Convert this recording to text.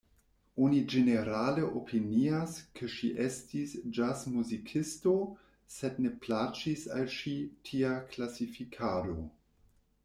Oni ĝenerale opinias ke ŝi estis ĵazmuzikisto sed ne plaĉis al ŝi tia klasifikado.